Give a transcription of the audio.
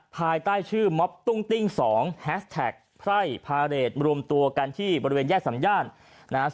ภายใต้ชื่อม็อบตุ้งติ้ง๒แฮสแท็กไพร่พาเรทรวมตัวกันที่บริเวณแยกสำย่านนะฮะ